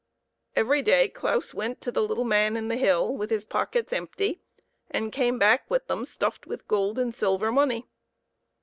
Every day Claus went to the little man in the hill with his pockets empty, and came back with them stuffed with gold and silver money.